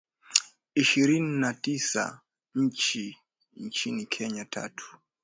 Ishirini na tisa nchini Kenya, tatu.